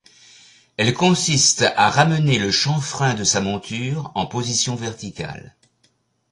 Elle consiste à ramener le chanfrein de sa monture en position verticale.